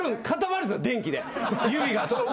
指が。